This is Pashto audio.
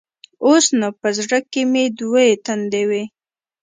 اوس نو په زړه کښې مې دوې تندې وې.